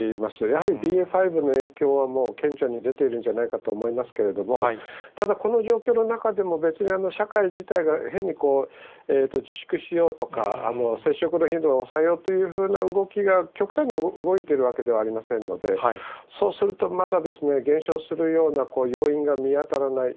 やはりＢＡ．５の影響はもう顕著に出ているんじゃないかと思いますけれども、ただ、この状況の中でも別に社会自体が変にこう、自粛しようとか、接触の頻度を抑えようというふうな動きが極端に動いているわけではありませんので、そうすると、まだ減少するような要因が見当たらない。